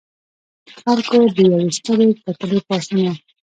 د خلکو د یوې سترې کتلې پاڅون و.